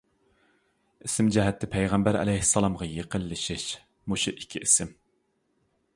ئىسىم جەھەتتە پەيغەمبەر ئەلەيھىسسالامغا يېقىنلىشىش مۇشۇ ئىككى ئىسىم.